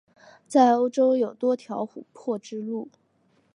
在欧洲有多条琥珀之路。